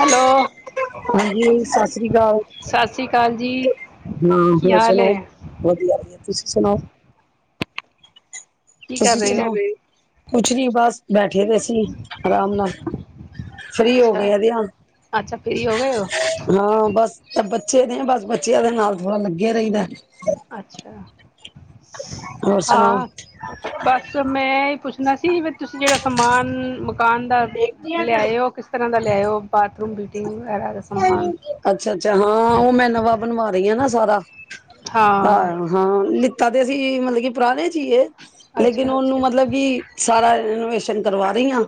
Hello ਹਾਂਜੀ ਸਤਿ ਸ੍ਰੀ ਅਕਾਲ ਸਤਿ ਸ੍ਰੀ ਅਕਾਲ ਜੀ ਹਾਂ ਕੀ ਹੋਰ ਹਾਲ ਹੈ ਸੁਣਾਓ ਵਧੀਆ ਤੁਸੀਂ ਸੁਣਾਓ ਕੀ ਕਰ ਤੁਸੀਂ ਰਹੇ ਹੋ ਸੁਣਾਓ ਕੁਛ ਨੀ ਬਸ ਬੈਠੇ ਦੇ ਸੀ ਆਰਾਮ ਨਾਲ ਫਰੀ ਹੋ ਅੱਛਾ ਗਏ ਦਿਆ ਅੱਛਾ ਫ੍ਰੀ ਹੋ ਗਏ ਹੋ ਹਾਂ ਬਸ ਬੱਚੇ ਨੇ ਬਸ ਬੱਚੇ ਦੇ ਨਾਲ ਥੋੜਾ ਲੱਗੇ ਰਹੀ ਦਾ ਹੈ ਅੱਛਾ ਹੋਰ ਸੁਣਾਓ ਹਾਂ ਬਸ ਮੈਂ ਪੁੱਛ ਸੁਣਾ ਸੀ ਵੀ ਤੁਸੀਂ ਜਿਹੜਾ ਸਮਾਨ ਦੁਕਾਨ ਦਾ ਲਿਆਇਓ ਕਿਸ ਤਰ੍ਹਾਂ ਦਾ ਲਿਆਇਓ ਬਾਥਰੂਮ ਵੀ [unintelligible] ਅੱਛਾ-ਅੱਛਾ ਹਾਂ ਉਹ ਮੈਂ ਨਵਾਂ ਬਣਵਾ ਰਹੀ ਹਾਂ ਨਾ। ਸਾਰਾ, ਹਾਂ ਹਾਂ-ਹਾਂ, ਲਿ ਕਦੇ ਅਸੀਂ ਮਤਲਬ ਕਿ ਪੁਰਾਣੇ ਸੀਏ। ਲੇਕਿਨ ਅੱਛਾ ਉਹਨੂੰ ਮਤਲਬ ਕਿ ਸਾਰਾ ਇਹਨੂੰ, ਕਰਵਾ ਰਹੀ ਹਾਂ।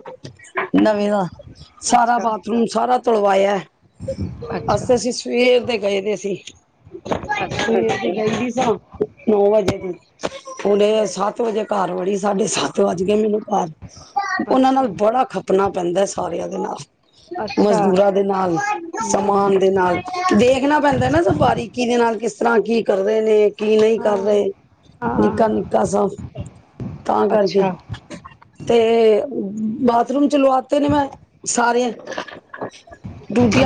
ਹਮ ਨਵੇਂ ਦਾ ਸਾਰਾ ਅੱਛਾ ਬਾਥਰੂਮ ਸਾਰਾ, ਤਲਵਾਇਆ, ਅੱਛਾ ਅਸੀਂ-ਅਸੀਂ ਸਵੇਰ ਦੇ ਗਏ ਤੇ ਸੀ, ਅੱਛਾ ਸਵੇਰ ਗਈ ਸਾਂ ਨੌ ਵਜੇ ਦੀ ਹੁਣ ਸੱਤ ਵਜੇ, ਘਰ ਵਾਲੀ, ਸਾਡੇ ਸੱਤ ਵੱਜ ਗਏ ਮੈਨੂੰ ਘਰ, ਉਹਨਾਂ ਅੱਛਾ ਨਾਲ ਬੜਾ ਖੱਪਣਾ ਪੈਂਦਾ ਸਾਰਿਆਂ ਦੇ ਨਾਲ ਅੱਛਾ ਮਜ਼ਦੂਰਾਂ ਦੇ ਨਾਲ ਹਮ ਸਮਾਨ ਦੇ ਨਾਲ ਦੇਖਣਾ ਪੈਂਦਾ ਨਾ ਸਫਾਰੀਕੀ ਦੇ ਨਾਲ ਕਿਸ ਤਰ੍ਹਾਂ ਤਾਂ ਕੀ ਕਰਦੇ ਨੇ, ਕੀ ਨਹੀਂ ਹਾਂ ਕਰ ਰਹੇ ਹਾਂ ਨਿੱਕਾ ਨਿੱਕਾ ਸ ਤਾਂ ਕਰਕੇ ਅੱਛਾ ਤੇ ਬਾਥਰੂਮ, ਚਲਵਾਤੇ ਨੇ ਮੈਂ ਸਾਰੇ,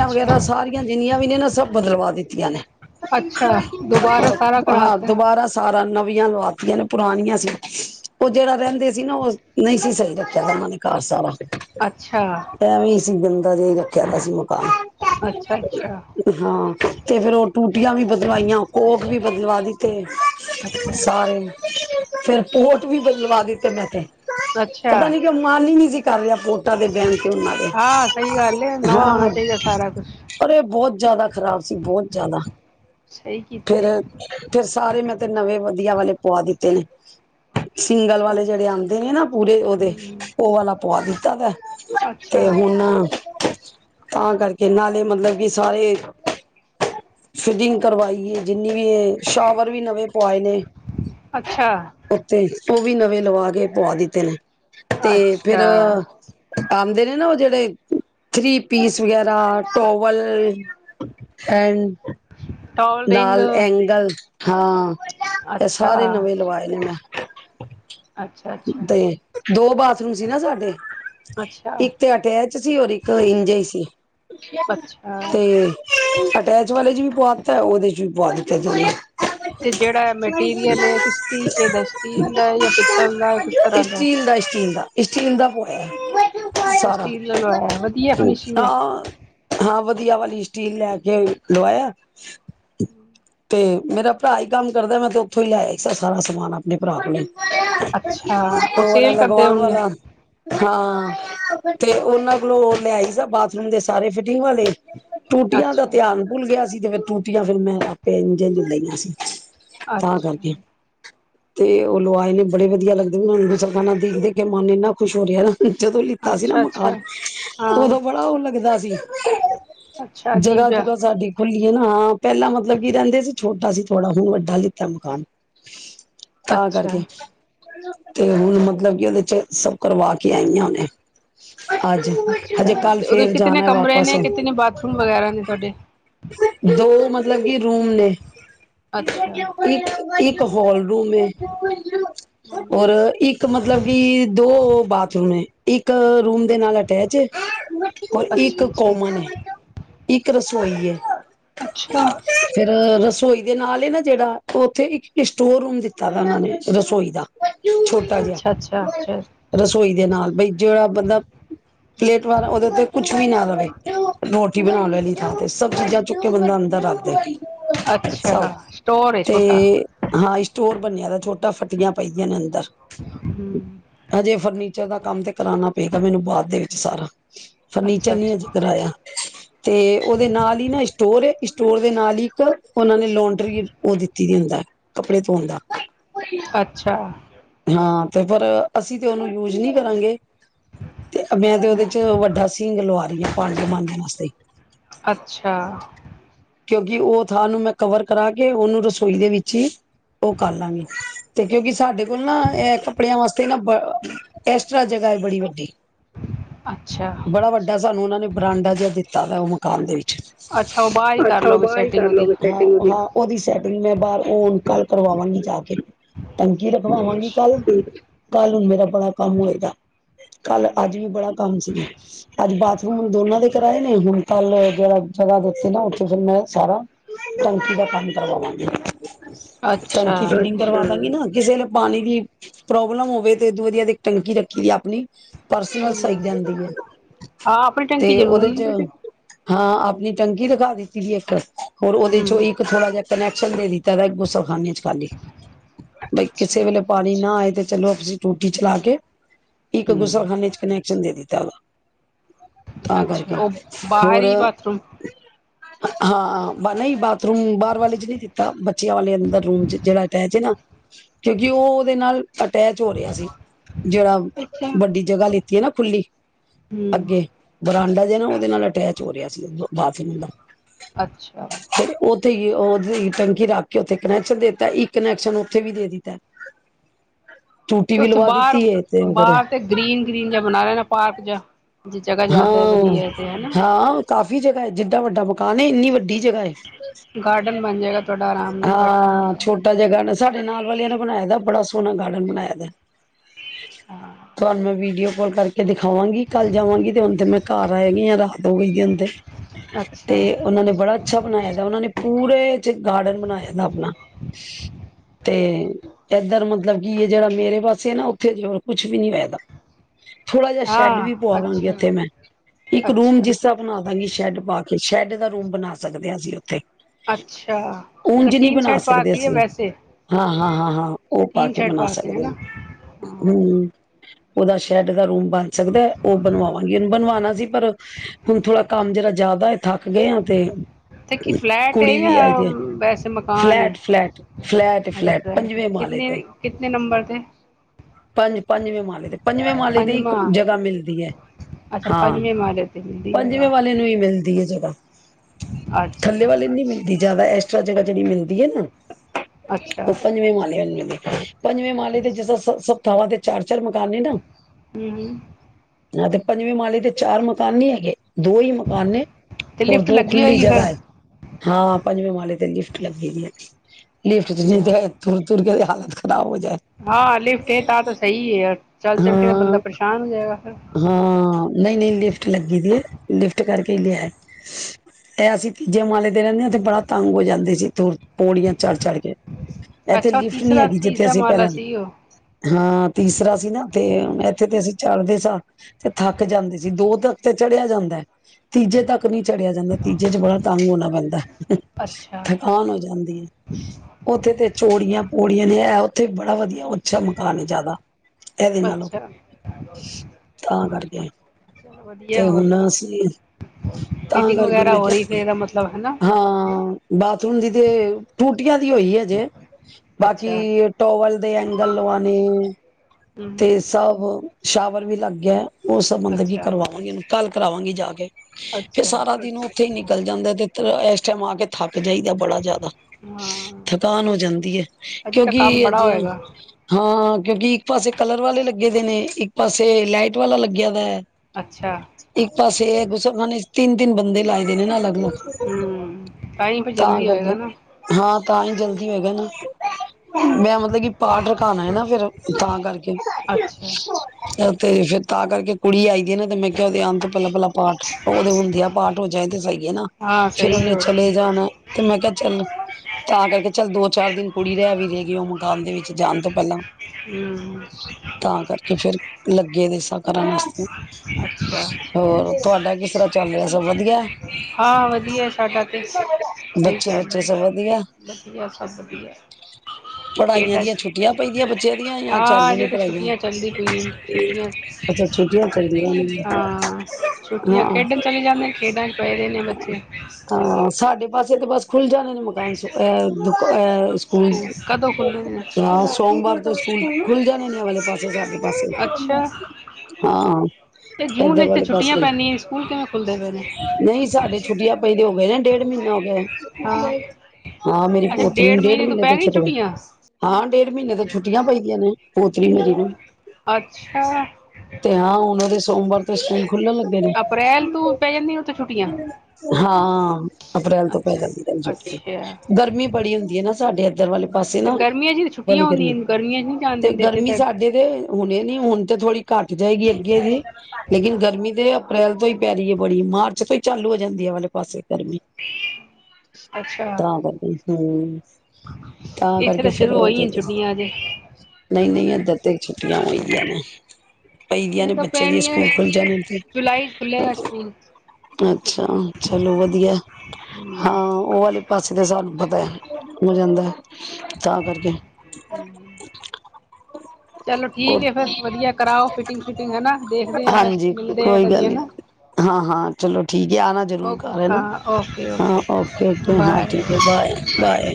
ਆਂ ਵਗੈਰਾ ਸਾਰੀਆਂ ਜਿੰਨੀਆਂ ਵੀ ਨੇ ਨਾ ਸਭ ਬਦਲਵਾ ਦਿੱਤੀਆਂ ਨੇ ਹਾਂ ਦੁਬਾਰਾ ਸਾਰਾ ਨ ਲਵਾਤੀਆਂ ਨੇ ਪੁਰਾਣੀਆਂ ਸੀ, ਉਹ ਜਿਹੜਾ ਰਹਿੰਦੇ ਸੀ ਨਾ ਉਹ ਨਹੀਂ ਸੀ ਸਹੀ ਰੱਖਿਆ ਉਹਨਾਂ ਨੇ ਘਰ ਸਾਰਾ, ਅੱਛਾ, ਅ ਬਦਾ ਜੇ ਰੱਖਿਆ ਦਾ ਸੀ। ਹਾਂ ਤੇ ਫੇਰ ਉਹ ਟੂਟੀਆਂ ਵੀ ਬਦਲਵਾਈਆਂ ਕੋਖ ਵੀ ਬਦਲਵਾ ਦਿੱਤੇ ਸਾਰੇ ਫਿਰ ਪ ਵੀ ਬਦਲਵਾ ਦਿੱਤੇ ਮੈਂ ਤੇ ਅੱਛਾ ਤਾਂ ਪਤਾ ਨ ਕਿ ਮਾਲੀ ਨ ਸੀ। ਕਰ ਰਿਹਾ ਪੋਟਾਂ ਦੇ ਬੈਣ ਤੇ ਮ ਹਾਂ ਸਹੀ ਗੱਲ ਹੈ ਦੇ ਨਵਾਂ ਹੋਣਾ ਹਾਂ। ਚਾਹੀਦਾ ਸਾਰਾ ਕੁਛ ਪਰ ਇਹ ਬਹੁਤ ਜ਼ਿਆਦਾ ਖ਼ਰਾਬ ਸੀ, ਬਹੁਤ ਜ਼ਿਆਦਾ ਸਹੀ ਕੀਤਾ ਫਿਰ, ਫਿਰ ਸਾਰੇ ਮੈਂ, ਫਿਰ ਨਵੇਂ ਵਧੀਆ ਵਾਲੇ ਪੁਆ ਦਿੱਤੇ ਨੇ, [inaudible] ਸਿੰਗਲ ਅੱਛਾ ਵਾਲੇ ਜਿਹੜੇ ਆਦੇ ਨੇ ਨਾ, ਪੂਰੇ ਉਹਦੇ ਹਮ, ਉਹ ਵਾਲਾ ਪੁਆ ਦਿੱਤਾ ਵਾ, ਅੱਛਾ ਤੇ ਹੁਣ [inaudible] ਤਾਂ ਕਰਕੇ ਨਾਲੇ ਮਤਲਬ ਕਿ ਸਾਰੇ ਫਿਟਿੰਗ ਕਰਵਾਈਏ, ਜਿੰਨੀ। ਵੀ ਸ਼ਾਵਰ ਵੀ, ਨਵੇਂ ਪੁਏ ਨੇ, ਅੱਛਾ ਉੱਥੇ ਉਹ ਵੀ ਨਵੇਂ। ਲਵਾ ਕੇ ਪਆ ਦਿੱਤੇ ਨੇ, ਤੇ ਫਿਰ ਅੱਛਾ ਆਂਦੇ ਨੇ ਨਾ ਉਹ ਜਿਹੜੇ ਥੀ ਪੀਸ ਵਗੈਰਾ, ਟੋਵਲ ਐਂਡ ਟੋਲ ਰਿੰਗ ਨਾਲ ਐਂਗਲ। ਹਾਂ। ਇਹ ਸਾਰੇ ਨਵੇਂ ਲਵਾਏ ਨੇ, ਮੈਂ। ਅੱਛਾ-ਅੱਛਾ। ਤੇ ਦੋ ਬਾਥਰੂਮ ਸੀ, ਨਾ ਸਾਡੇ। ਅੱਛਾ ਇੱਕ ਤੇ ਅਠਿਆ ਚ ਸੀ, ਔਰ ਇੱਕ ਇੰਝ ਹੀ ਸੀ ਅੱਛਾ ਤੇ। ਅਟੈਚ ਵਾਲੇ ਚ ਵੀ [inaudible] ਤਾਂ ਉਹਦੇ ਚ ਵੀ ਪਾ ਦਿੱਤੇ। ਤੇ ਜਿਹੜਾ ਮਟੀਰੀਅਲ ਹੈ, ਕਿਸ ਤਰੀਕੇ ਦਾ ਸਟੀਨ ਦਾ, ਜਾਂ ਪਿੱਤਲ ਦਾ ਹੈ, ਕਿਸ ਤਰ੍ਹਾਂ ਦਾ। ਸਟੀਲ ਸਟੀਲ ਦਾ ਸਟੀਲ ਦਾ ਹੈ ਅੱਛਾ ਸਾਰਾ ਸਟੀਲ ਦਾ ਲਵਾਇਆ ਵਧੀਆ ਫਿਨਿਸ਼ਿੰਗ ਹੈ ਹਾਂ, ਹਾਂ ਵਧੀਆ ਵਾਲੀ ਸਟੀਲ ਲੈ ਕੇ ਲਵਾਇਆ। ਤੇ, ਮੇਰਾ ਭਰਾ ਹੀ ਕੰਮ ਕਰਦਾ, ਮੈਂ ਤੇ ਉੱਥੋਂ ਹੀ ਲੇ ਆਈ ਸਾਂ, ਸਾਰਾ ਸਮਾਨ ਆਪਣੇ ਭਰਾ ਕੋਲੋਂ। ਅੱਛਾ ਉਹ ਵਾਲਾ ਸੇਲ ਕਰਦੇ ਲਗਵਾਨ ਹੋਣਗੇ ਵਾਲਾ ਹਾਂ ਤੇ ਉਹਨਾਂ ਕੋਲੋਂ, ਉਹ ਲਿਆਈ ਸਾਂ ਬਾਥਰੂਮ ਦੇ ਸਾਰੇ ਫਿਟਿੰਗ ਵਾਲੇ ਟੂਟੀਆਂ ਦਾ ਅੱਛਾ ਧਿਆਨ ਭੁੱਲ ਗਿਆ ਸੀ। ਜਿਵੇ ਤੁ ਫਿਰ ਮੈਂ, ਆਪੇ ਇੰਝ ਨੂੰ ਲਈਆਂ ਸੀ। ਤਾਂ ਕਰਕੇ। ਅੱਛਾ। ਤੇ ਉਹ ਲਵਾਏ ਨੇ ਬੜੇ ਵਧੀਆ ਲੱਗਦੇ ਉਹ ਨੂੰ ਮੁਸਲਮਾਨਾਂ ਨਾਲ ਦੇਖ -ਦੇਖ ਕੇ ਮਨ ਇੰਨਾ ਖੁਸ਼ ਹੋ ਰਿਹਾ। ਜਦੋਂ ਲਿੱਤਾ ਸੀ ਨਾ ਅੱਛਾ ਅੱਛਾ ਮਕਾਨ, ਹਾਂ ਉਦੋਂ ਬੜਾ ਉਹ ਲੱਗਦਾ ਸੀ। ਦੀ ਅੱਛਾ ਅਜੀਬ ਜਗ੍ਹਾ ਜਿਹਾ ਜੁਹਾ ਸਾਡੀ ਖੋਲਏ ਨਾ ਪਹਿਲਾਂ ਮਤਲਬ ਕੀ ਰਹਿੰਦੇ ਸੀ ਛੋਟਾ ਸੀ ਥੋੜ੍ਹਾ ਹੁਣ ਵੱਡਾ ਲਿੱਤਾ ਮਕਾਨ ਤਾਂ ਅੱਛਾ ਕਰਕੇ ਤੇ ਹੁਣ ਮਤਲਬ ਕਿ ਉਹਦੇ ਚ ਸਭ ਕਰਵਾ ਕੇ ਆਈਆਂ ਉਹਨੇ ਅੱਛਾ ਤੇ ਉਹਦੇ ਕਿਤੇਨੇ ਕਮਰੇ ਵਾਪਸ ਨੇ ਕਿਤੇਨੇ ਬਾਥਰੂਮ ਵਗੈਰਾ ਨੇ ਤੁਹਾਡੇ ਦੋ ਮਤਲਬ ਕਿ ਰੂਮ ਨੇ ਅੱਛਾ ਇੱਕ ਇੱਕ ਹੋਾਲ ਰੂਮ ਹੂੰ ਔਰ ਇੱਕ ਮਤਲਬ ਕਿ ਦੋ ਬਾਥਰੂਮ ਹੈ ਇੱਕ ਰੂਮ ਹੂੰ ਦੇ ਨਾਲ ਅਟੈਚ ਰ ਇੱਕ ਅੱਛਾ ਅੱਛਾ ਕਮਨ ਹੈ ਇੱਕ ਰਸੋ ਹੋਈਏ ਅੱਛਾ ਫੇਿਰ ਰਸੋਈ ਦੇ ਨਾਲ ਹੀ ਨਾ ਜਿਹੜਾ ਉੱਥੇ ਇੱਕ ਸਟੋਰ ਰੂਮ ਦਿੱਤਾ ਵਾ ਉਹਨਾਂ ਨੇ ਰਸੋਈ ਦਾ ਛੋਟਾ ਜਿਹਾ ਅੱਛਾ ਅੱਛਾ ਅੱਛਾ ਰਸੋਈ ਦੇ ਨਾਲ ਬਈ ਜਿਹੜਾ ਬੰਦਾ ਪਲੇਟ ਵ ਉਹਦੇ ਉੱਤੇ ਕੁਛ ਵੀ ਨਾ ਲਵੇ ਰੋਟੀ ਬਣਾ ਲੈੀ ਥਾਂ ਤੇ ਸਭ ਚੀਜ਼ਾਂ ਚੁੱਕੇ ਬੰਦਾ ਨੂੰ ਤੱਖ ਦੇ ਅੱਛਾ ਸਟੋਰ ਹੈ ਛੋਟਾ ਹਾਂ ਸਟੋਰ ਬਣਿਆ ਦਾ ਛੋਟਾ ਫੱਟੀਆਂ ਪਈਆਂ ਨੇ ਅੰਦਰ ਹਮ ਬੱਚੇ ਦਾ ਕੰਮ ਤੇ ਕਰਾਉਣਾ ਪਏਗਾ ਮੈਨੂੰ ਬਾਅਦ ਦੇ ਵਿੱਚ ਸਾਰਾ ਫਰਨੀਚਰ ਅੱਛਾ ਨਜ ਅੱਛਾ ਕਰਇਆ ਤੇ ਉਹਦੇ ਨਾਲ ਹੀ ਨਾ ਸਟੋਰ ਸਟੋਰ ਦੇ ਨਾਲ ਹੀ ਇੱਕ ਉਹਨਾਂ ਨੇ ਲੋਂਡਰੀ ਉਹ ਦਿੱਤੀ ਹੁੰਦਾ ਕੱਪੜੇ ਧੋਣ ਦਾ ਅੱਛਾ ਹਾਂ ਤੇ ਪਰ ਅਸੀਂ ਤਾਂ ਉਹਨੂੰ ਯੂਜ ਨਹੀਂ ਕਰਾਂਗੇ ਤੇ ਮੈਂ ਤੇ ਉਹਦੇ ਚ ਵੱਡਾ ਸਿੰਗ ਲਵਾ ਰਹੀ ਹਾਂ ਪਾਂਡੇ ਮਾਂਜਣ ਵਾਸਤੇ ਅੱਛਾ ਕਿਉਂਕਿ ਉਹ ਥਾਂ ਨੂੰ ਮੈਂ ਕਵਰ ਕਰਾ ਕੇ ਉਹਨੂੰ ਰਸੋਈ ਦੇ ਵਿੱਚ ਹੀ ਉਹ ਕਰ ਲਾਂਗੀ ਤੇ ਕਿਉਂਕਿ ਸਾਡੇ ਕੋਲ ਨਾ ਇਹ ਕੱਪੜਿਆਂ ਵਾਸਤੇ ਨਾ ਬ ਐਕਸਟਰਾ ਜਗ੍ਹਾ ਹੈ ਬੜੀ ਵੱਡੀ ਅੱਛਾ ਬੜਾ ਵੱਡਾ ਸਾਨੂੰ ਉਹਨਾਂ ਨੇ ਬਰਾਂਡਾ ਜਿਹਾ ਦਿੱਤਾ ਵ ਉਹ ਕਦੇ ਅੱਛਾ ਉਹ ਬਾਹਰ ਕਰ ਇਕੱਠਾ ਲਓਗੇ ਬਾਹਰ ਹੀ ਸੈਟਿੰਗ ਉਹਦੀ ਕਰਲਓਗੇ ਕਟਿੰਗ ਮੈਂ ਬਾਹਰ ਹੁਣ ਕੱਲ ਕਰਵਾਵਾਂਗੀ ਜਾ ਕੇ ਟੰਕੀ ਰਖਵਾਵਾਂਗੀ ਅੱਛਾ ਕੱਲ ਕੱਲ ਹੁਣ ਮ ਬੜਾ ਕੰਮ ਹੋਏਦਾ ਕੱਲ ਅੱਜ ਵੀ ਬੜਾ ਕੰਮ ਸੀਗਾ ਅੱਜ ਬਾਥਰੂਮ ਦੋਨਾਂ ਦੇ ਕਿਰਾਏ ਨਹੀਂ ਹਿੰਮਕਾਲ ਜ ਜਗ੍ਹਾ ਦਿੱਤੀ ਨਾ ਫਿਰ ਮੈਂ ਸਾਰਾ ਧਮਕੀ ਦਾ ਕੰਮ ਕਰਵਾਵਾਂਗੀ ਟੈਂਕੀ ਅੱਛਾ ਫੀਡਿੰਗ ਕਰਵਾ ਦਾਂਗੀ ਨਾ ਕਿਸੇ ਨੇ ਪਾਣੀ ਦੀ ਪ੍ਰੋਬਲਮ ਹੋਵੇ ਤੇ ਵਧੀਆ ਦੀ ਇੱਕ ਟੰਕੀ ਰੱਖੀ ਦੀ ਆਪਣੀ ਪਰਸਨਲ ਸਹੀ ਹੂੰ, ਜਾਂਦੀ ਹੈ ਹਾਂ ਆਪਣੀ ਟੈਂਕੀ ਤੇ ਉਹਦੇ ਜ਼ਰੂਰੀ ਏ। ਚ ਹਾਂ ਆਪਣੀ ਟੰਕੀ ਦਿਖਾ ਦਿੱਤੀ ਕਿ ਇੱਕ ਹੋਰ ਉਹਦੇ ਚੋਂ ਹੂੰ। ਇੱਕ ਥੋੜਾ ਜਿਹਾ ਕਨੈਕਟ ਚੱਲੇ ਦੀ ਤੇਦਾ ਇੱਕ ਗੁੱਸਾ ਖਾੀ ਚ ਖਾਲੀ ਬਈ ਅੱਛਾ। ਕਿਸੇ ਵੇਲੇ ਪਾਣੀ ਨਾ ਆਏ ਤੇ ਚਲੋ ਅਂ ਟੂਟੀ ਚਲਾ ਕੇ ਇੱਕ ਹੂੰ, ਗੁੱਸਾਖਾਨੇ ਚ ਕਨੈਕਸ਼ਨ ਦੇ ਦਿੱਤੀ ਚੱਲ ਅੱਛਾ ਉਹ ਬਾਹਰ ਹੀ ਬਾਥਰੂਮ ਹਾਂ ਨਹੀਂ ਬਾਥਰੂਮ ਬਾਹਰ ਵਾਲੇ ਚ ਨਹੀਂ ਦਿੱਤਾ ਬੱਚਿਆਂ ਵਾਲੇ ਅੰਦਰ ਰੂਮ ਚ ਜਿਹੜਾ ਅਟੈਚ ਹੈ ਨਾ ਕਿਉਂਕਿ ਉਹ ਉਹਦੇ ਨਾਲ ਅਟੈਚ ਹੋ ਰਿਹਾ ਸੀ ਜਿਹੜਾ ਅੱਛਾ। ਵੱਡੀ ਜਗ੍ਹਾ ਲਿ ਦੀਏ ਨਾ ਫੁੱਲੀ ਹੂੰ, ਅੱਗੇ ਬਰਾਂਡਾ [unintelligible] ਦੇ ਨਾਲ ਅਟੈਚ ਹੋ ਰਿਹਾ ਸੀ ਉਦੋਂ ਹਾਜ਼ਨ ਅੱਛਾ ਉਥੇ ਉਹ ਟੈਂਕੀ ਰੱਖ ਕੇ ਉੱਥੇ ਕਨੈਕਸ਼ਨ ਦੇ ਦਿੱਤਾ ਇੱਕ ਕਨੈਕਸ਼ਨ ਉੱਥੇ ਵੀ ਦੇ ਦਿੱਤਾ ਟੂਟੀ ਤੇ ਵੀ ਉੱਥੇ ਲਵਾ ਬਾਹਰ ਦਿੱਤੀ ਹੈ ਤੇ ਫਿਰ ਬਾਹਰ ਤੇ ਗ੍ਰੀਨ ਗ੍ਰੀਨ ਜਾ ਬਣਾ ਰਹੇ ਨੇ ਪਾਰਕ ਜਾ ਜੇ ਜਗ੍ਹਾ ਜ਼ਿਆਦਾ ਹਾਂ ਵਧੀਆ ਹੈ ਤੇ ਹਨਾ। ਹਾਂ ਕਫ ਵੀ ਜ੍ਹਾ ਜਿੱਦਾਂ ਵੱਡਾ ਕਾਹ ਨੇ ਇੰਨੀ ਵੱਡੀ ਜਗ੍ਹਾ ਗਾਰਡਨ ਬਣ ਜਾਏਗਾ ਤੁਹਾਡਾ ਆਰਾਮ ਨਾਲ ਬੈਠਣ ਹਾਂ ਵਾਲਾ। ਛੋਟਾ ਜਗ੍ਹਾ ਨੇ ਸਾਡੇ ਨਾਲ ਵਾਲੀਆਂ ਨੇ ਬਣਾਏ ਦਾ ਬੜਾ ਸੋਹਣਾ ਗਾਰਡਨ ਬਣਾਇਆ ਦਾ ਹਾਂ, ਤੁਹਾਨੂੰ ਮੈਂ ਵੀਡੀਓ ਲ ਕਰਕੇ ਕੇ ਦਿਖਾਵਾਂਗੀ ਕੱਲ ਜਾਵਾਂਗੀ ਤੇ ਹ ਤੇ ਮੈਂ ਘਰ ਆਏਗੀ ਹ ਰਾਤ ਹੋ ਗਈ ਹ ਤੇ ਤੇ ਅੱਛਾ ਉਹਨਾਂ ਨੇ ਬੜਾ ਅੱਛਾ ਬਣਾਇਆ ਦਾ ਉਹਨਾਂ ਨੇ ਪੂਰੇ ਡਨ ਬਣਾਇਆ ਦਾ ਆਪਣਾ ਤੇ ਇਏਧਰ ਮਤਲਬ ਕਿ ਇਹ ਜਿਹੜਾ ਮੇਰੇ ਪਾਸੇ ਨਾ ਉੱਥੇਰ ਕੁਛ ਵੀ ਨੀ ਹੈਦਾ ਥੋੜ੍ਹਾ ਜਿਹਾ ਸ਼ੈੱਡ ਵੀ ਹਾਂ, ਪਵਾਵਾਂਗੇ ਅੱਛਾ, ਉੱਥੇ ਮੈਂ ਇੱਕ ਰੂਮ ਅੱਛਾ। ਜਿਸ ਤਰ੍ਹਾਂ ਬਣਾ ਦਾਂਗੀ ਸ਼ੈੱਡ ਪਾ ਕੇ ਸ਼ੈੱਡ ਦਾ ਰੂਮ ਬਣਾ ਸਕਦੇ ਹਾਂ ਅਸੀਂ ਠੀਕ ਅੱਛਾ ਉਂਝ ਮਤਲਬ ਨਹੀਂੀ ਟੀਨ ਬਣਾ ਸੈਟ ਸਕਦੇ ਪਾਰਕ ਹੀ ਹੈ ਅਸੀਂ ਵੈਸੇ, ਹਾਂ ਹਾਂ ਹਾਂ ਹਾਂ ਉਹ ਪਾ ਟੀਨ ਕੇ ਸੈਟ ਬਣਾ ਪਾਰਕ ਹੈ ਸਕਦੇ ਹ ਹਨਾ। ਹਾਂ। ਹਮ ਉਹਦਾ ਸ਼ੈਡ ਦਾ ਰੂਮ ਬਣ ਸਕਦਾ ਉਹ ਬਣਵਾਵਾਂਗੀ ਹ ਬਣਵਾਣਾ ਸੀ ਪਰ ਹੁਣ ਥੋੜਾ ਕੰਮ ਜਿਹੜਾ ਜ਼ਿਆਦਾ ਥੱਕ ਗਏ ਹਾਂ ਤੇ ਥ ਕਿ ਫਲਾਟ ਯ ਫਲੈਟ-ਫਲੈਟ-ਫਲੈਟ-ਫਲੈਟ, ਪੰਜਵੇਂ ਮਲੇ ਤੇ ਪੰਜ ਪੰਜਵੇਂ ਮਾਲੇ ਤੇ ਪੰਜਵੇਂ ਮਾਲੇ ਤੇ ਹੀ ਜਗ੍ਹਾ ਮਿਲਦੀ ਹੈ ਹਾਂ ਪੰਜਵੇਂ ਵਾਲੇ ਨੂੰ ਹੀ ਮਿਲਦੀ ਹੈ ਜਗ੍ਹਾ ਥੱਲੇ ਵਾਲੇ ਨੁੰ ਨੀ ਮਿਲਦੀ। ਜਿਆਦਾ ਐਸ, ਆ ਜਗ੍ਹਾ ਜਿਹੜੀ ਮਿਲਦੀ ਹੈ ਨਾ, ਉਹ ਪੰਜਵੇਂ ਮਾਲੇ ਦੇ, ਹਾਂ, ਪੰਜਵੇਂ ਮਾਲੇ ਤੇ ਜਿਸ ਸਭ, ਥਾਵਾਂ ਦੇ ਚਾਰ-ਚਾਰ ਮਕਾਨ ਨੇ ਨਾ ਹੂੰ-ਹੂੰ, ਹਾਂ ਤੇ ਪੰਜਵੀਂ ਮਾਲੇ ਤੇ ਚਾਰ ਮਕਾਨ ਨੀ ਹੈਗੇ। ਦੋ ਹੀ ਮਕਾਨ ਨੇ ਔਰ ਦੋ ਖੁੱਲੀ ਜਗ੍ਹਾ ਹੈ ਹਾਂ। ਪੰਜਵੇ ਮਾਲੇ, ਲਿਫਟ ਲੱਗੀ ਹੋਈ ਐ। ਲਿਫਟੀ ਤ ਤੁਰਦਾ ਹਾਲਤ ਖਰਾਬ ਹੋ ਜਾਏ ਹਾਂ ਲਿਫਟ ਹੈ ਤਾਂ ਤੇ ਸਹੀ ਹੈ ਯਾਰ ਚੱਲ ਚੜ੍ਹ ਕੇ ਤਾਂ ਹਾਂ ਬੰਦਾ ਪਰੇਸ਼ਾਨ ਹੋ ਜਾਏ। ਹਾਂ ਨਹੀਂ-ਨਹੀਂ ਲਿਫਟ ਲੱਗੀ ਦੀ ਹੈ। ਲਿਫਟ ਕਰਕੇ ਲਿਆਏ ਇਹ ਅਸੀਂ ਤੀਜੇ ਮਾਲੇ ਦੇ ਰਹਿੰਦੇ ਹਾਂ ਤੇ ਬੜਾ ਤੰਗ ਹੋ ਜਾਂਦੇ ਸੀ ਤੁਰ ਪੌੜੀਆਂ ਚੜ-ਚੜ ਕੇ ਇੱਥੇ ਲਿਫਟ ਨੀ ਹੈਗੀ ਜਿੱਥੇ ਅਸੀਂ ਪਹਿਲਾਂ ਸੀ ਉਹ ਹਾਂ ਤੀਸਰਾ ਸੀ ਨਾ ਉਥੇ ਇੱਥੇ ਤੇ ਅਸੀਂ ਚੱਲਦੇ ਸਾਂ, ਤੇ ਥੱਕ ਜਾਂਦੇ ਸੀ, ਦੋ ਤੱਕ ਤੇ ਚੜਿਆ ਜਾਂਦਾ। ਤੀਜੇ ਤੱਕ ਨੀ ਚੜਿਆ ਜਾਂਦਾ ਤੀਜੇ ਚ ਬੜਾ ਤੰਗ ਹੋਣਾ ਪੈਂਦਾ ਅੱਛਾ ਥਕਾਨ ਹੋ ਜਾਂਦੀ ਹੈ, ਉੱਥੇ ਤੇ ਚੋੜੀਆਂ ਪੋੜੀਆਂ ਨੇ ਹੈ। ਉਥ ਬੜਾ ਵਧੀਆ, ਅੱਛਾ ਮਕਾਨ ਜ਼ਿਆਦਾ ਇਹਦੇ ਨਾਲੋਂ, ਅੱਛਾ ਤਾਂ ਕਰਕੇ ਚਲੋ ਵਧੀਆ ਤੇ ਹੋਰ ਹੁਣ ਕੀ ਅਸੀਂ ਤਾਂ ਮੀਟਿੰਗ ਕਰਕੇ ਵਗੈਰਾ ਮੈਂ ਹੋ ਰਹੀ ਫਿਰ ਕਿਹਾ ਇਹਦਾ ਮਤਲਬ ਹੈ ਨਾ ਹਾਂ ਬਾਥਰੂਮ ਹੁੰਦੀ ਤੇ ਟੂਟੀਆਂ ਦੀ, ਹੋਈ ਹੈ ਜੇ ਅੱਛਾ ਬਾਕੀ ਟੋਵਲ ਦੇ ਐਂਗਲ ਲਵਾਣੇ, ਹਮ ਤੇ ਸਭ, ਸ਼ਾਵਰ ਵੀ ਲੱਗ ਗਿਆ। ਉਹ ਸਭ ਅੰਦਰ ਹੀ ਅੱਛਾ ਕਰਵਾਮਾਗੇ ਕੱਲ, ਕਰਾਵਾਂਗੀ ਜਾ ਕੇ, ਫੇਰ ਅੱਛਾ ਸਾਰਾ ਦਿਨ ਉੱਥੇ ਹੀ ਨਿਕਲ ਜਾਂਦਾ ਤੇ, ਇਸ ਟਾਈਮ ਆਕੇ ਥਕ ਥੱਕ ਜਾਈ ਦਾ ਬੜਾ ਜ਼ਿਆਦਾ ਹਾਂ ਥਕਾਨ ਹੋ ਜਾਂਦੀ ਹੈ ਅਜੇ ਤਾਂ ਕਿਉਂਕਿ ਕੰਮ ਬੜਾ ਅਜੇ ਹੋਏਗਾ ਹਾਂ। ਕਿਉਂਕਿ ਬੱਸ ਇੱਕ ਪਾਸੇ ਕਲਰ ਵਾਲੇ ਲੱਗੇ ਦੇ ਨੇ। ਇੱਕ ਪਾਸੇ ਲਾਈਟ ਵਾਲਾ ਲੱਗਿਆ ਦਾ ਹੈ। ਅੱਛਾ ਇੱਕ ਪਾਸੇ ਇਹ ਗੁਸਲਖਾਨੇ ਚ ਤਿੰਨ-ਤਿੰਨ ਬੰਦੇ ਲਾਏ। ਨਾ ਅਲੱਗ-ਅਲੱਗ ਹੂੰ ਟਾਈਮ ਫਿਰ ਤਾਂ ਜਲਦੀ ਕਰਕੇ ਹੋਏਗਾ ਨਾ ਹਾਂ। ਤਾਂ ਹੀ ਜਲਦੀ ਹੋਗਾ ਨਾ। ਮੈਂ ਮਤਲਬ ਕਿ ਪਾਠ ਰਖਾਉਣਾ ਹੈ ਨਾ ਫਿਰ। ਤਾਂ ਕਰਕੇ ਅੱਛਾ ਤੇ ਫੇਰ, ਤਾਂ ਕਰਕੇ ਕੁੜੀ ਆਈਦੀ ਹੈ ਨਾ ਤੇ ਮੈਂ ਉਹਦੇ ਆਉਣ ਤੋਂ ਪਹਿਲਾਂ-ਪਹਿਲਾਂ ਪਾਠ, ਉਹਦੇ ਹੁੰਦੇ ਆ ਪਾਠ ਹੋ ਜਾਏ ਤੇ ਸਹੀ। ਨਾ ਹਾਂ ਫਿਰ ਸਹੀ ਉਹਨੇ ਹੋਰ ਚਲੇ ਕੀ ਜਾਣਾ। ਤੇ ਮੈਂ ਕਿਹਾ ਚੱਲ ਤਾਂ ਕਰਕੇ ਚੱਲ ਦੋ, ਚਾਰ ਦਿਨ ਕੁੜੀ ਰਹਿ ਵੀ ਲੇਗੀ ਉਹ ਮਕਾਨ ਦੇ ਵਿੱਚ ਜਾਣ ਤੋਂ ਪਹਿਲਾਂ। ਹੂੰ ਤਾਂ ਕਰਕੇ ਫਿਰ ਲੱਗੇ ਦੇ ਸਕਰਾਨ ਅੱਛਾ ਤੁਹਾਡਾ ਕਿਸ ਤਰ੍ਹਾਂ ਚੱਲ ਰਿਹਾ ਸਭ ਵਧੀਆ ਹਾਂ, ਵਾਦੀਆਂ ਸਾਡਾ ਤੇ। ਸਹੀ ਬੱਚੇ ਚੱਲ ਬੱਚੇ ਸਭ ਵਧੀਆ ਵਾਦੀਆਂ ਸਬ ਵਾਦੀਆਂ। ਪੜ੍ਹਾਈਆਂ ਦੀਆਂ ਛੁੱਟੀਆਂ ਪੈਂਦੀਆਂ ਬੱਚਿਆਂ ਦੀਆਂ ਜਾਂ ਹਾਂ ਚਾਲੂ ਅਜੇ ਨੇ ਤਾਂ ਪੜ੍ਹਾਈਆਂ ਛੁੱਟੀਆਂ ਚੱਲਦੀ ਪਈ ਛੁੱਟੀਆਂ ਅੱਛਾ ਛੁੱਟੀਆਂ। ਚੱਲਦੀਆਂ ਨੇ ਹਾਂ ਛੁੱਟੀਆਂ ਹਾਂ ਖੇਡਣ ਚਲੇ ਜਾਂਦੇ ਨੇ ਖੇਡਣ [unintelligible] ਪਏ ਦੇ ਨੇ ਬੱਚੇ। ਹਾਂ ਸਾਡੇ ਪਾਸੇ ਤੇ ਬਸ ਖੁੱਲ ਜਾਣੇ ਨੇ ਮਕਾਨ ਹ ਦੁਹ ਸਕੂਲ ਕਦੋਂ ਖੁੱਲ੍ਹਦੇ ਨੇ ਤਾਂ ਸੋਮਵਾਰ ਤੋਂ ਸਕੂਲ ਖੁੱਲ ਜਾਣੇ ਨੇ ਇਹ ਵਾਲੇ ਪਾਸੇ ਅੱਜ ਅੱਛਾ ਹਾਂ। ਤੇ ਜੂਨ ਇੱਧਰ ਵਿੱਚ ਤੇ ਵਾਲੇ ਛੁੱਟੀਆਂ ਪਾਸੇ ਪੈਂਦੀ ਹ, ਸਕੂਲ ਕਿਵੇਂ ਖੁੱਲਦੇ ਪਏ ਨਹੀਂ ਨੇ। ਸਾਡੇ ਛੁੱਟੀਆਂ ਪੈਂਆਂ ਹੋ ਗਏ ਡੇਢ ਮਹੀਨਾ ਹੋ ਗਿਆ ਹਾਂ ਐ। ਹਾਂ, ਮੇਰੀ ਪੋਤਰੀ ਨੂੰ ਡੇਢ ਮਹੀਨੇ ਤੋਂ ਛੁੱਟੀਆਂ ਹਾਂ। ਡੇਢ ਮਹੀਨੇ ਤੋਂ ਛੁੱਟੀਆਂ ਪਈ ਦੀਆਂ ਨੇ। ਪੋਤਰੀ ਮੇਰੀ ਨੂੰ ਅੱਛਾ ਤੇ ਹਾਂ ਹੁਣ ਉਹਦੇ ਸੋਮਵਾਰ ਤੋਂ ਸਕੂਲ ਖੁੱਲਣ ਲੱਗੇ ਨੇ ਅਪ੍ਰੈਲ ਤੋਂ ਪੈ ਜਾਂਦੀ ਆਂ ਉੱਥੇ ਛੁੱਟੀ [inaudible] ਹਾਂ। ਅਪ੍ਰੈਲ ਤੋਂ ਅੱਛਾ ਪੈਦਲ ਨ ਚੁੱਕ ਅੱਛਾ ਗਰਮੀ ਬੜੀ ਹੁੰਦੀ ਐ ਨਾ ਸਾਡੇ ਇੱਧਰ ਵਾਲੇ ਪਾਸੇ ਤੇ ਨਾ ਗਰਮੀਆਂ ਚ ਤਾਂ ਛੁੱਟੀਆਂ ਬਾਹਲੀ ਹੁੰਦੀਆਂ ਗਰਮੀ ਨੇ, ਗਰਮੀਆਂ ਚ ਨਹੀਂ ਜਾਣ ਤੇ ਦਿੰਦੇ ਇੱਥੇ ਗਰਮੀ ਤਾਂ ਸਾਡੇ ਤੇ ਹੁਣੇ ਨਹੀਂ ਹੁਣ ਤੇ ਥੋੜੀ ਘੱਟ ਜਾਏਗੀ ਅੱਗੇ ਜੇ ਲੇਕਿਨ ਗਰਮੀ ਤੇ ਅਪ੍ਰੈਲ ਤੋਂ ਹੀ ਪੈ ਰਹੀ ਐ ਬੜੀ ਮਾਰ ਚ ਈ ਚਾਲੂ ਹੋ ਜਾਂਦੀ ਇਹ ਵਾਲੇ ਪਾਸੇ। ਗਰਮੀ, ਅੱਛਾ ਤਾਂ ਕਰਕੇ। ਹੂੰ। ਤਾਂ ਇੱਥੇ ਕਰਕੇ ਫੇਰ ਸ਼ੁਰੂ ਉਹ ਹੋਈਆਂ ਛੁੱਟੀਆਂ ਅਜੇ ਨਹੀਂ-ਨਹੀਂ ਇੱਧਰ ਤੇ ਛੁੱਟੀਆਂ ਹੋਈ ਦੀਆਂ ਨੇ। ਪਈ ਦੀਆਂ ਇਹ ਨੇ ਤਾਂ ਬੱਚਿਆਂ ਦੀਆਂ ਪੈਣੀਆਂ ਸਕੂਲ ਖੁੱਲ ਜਾਣੇ ਤੇ ਜੁਲਾਈ ਚ ਖੁੱਲੇਗਾ ਸਕੂਲ ਅੱਛਾ ਚਲੋ ਵਧੀਆ। ਹਾਂ ਉਹ ਵਾਲੇ ਪਾਸੇ ਤਾਂ ਸਾਨੂੰ ਪਤਾ ਐ ਹੋ ਜਾਂਦਾ। ਤਾਂ ਕਰਕੇ ਚਲੋ ਠੀਕ ਹੋਰ ਐ ਫਿਰ ਵਧੀਆ ਕਰਾਓ ਫਿਟਿੰਗ ਸ਼ੁਟਿੰਗ ਹਨਾਂ। ਦੇਖਦੇ ਆ ਫਿਰ ਹਾਂਜੀ ਮਿਲਦੇ ਆ ਕੋਈ ਕਦੀ ਗੱਲ ਨੀ ਹਨਾਂ। ਹਾਂ ਹਾਂ ਚਲੋ ਠੀਕ ਏ ਆਣਾ ਜ਼ਰੂਰ ਘਰ ਹੈਨਾ। ਹਾਂ, ਓਕੇ ਓਕੇ ਹਾਂ ਬਾਏ ਠੀਕ ਐ ਬਾਏ ਬਾਏ।